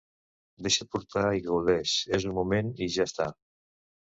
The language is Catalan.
Deixa't portar i gaudeix, és un moment i ja està...